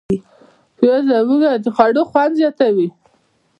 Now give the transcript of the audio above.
پیاز او هوږه د خوړو خوند زیاتوي.